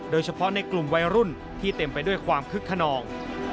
โดยเฉพาะในกลุ่มวัยรุ่นที่เต็มไปด้วยความคึกขนอง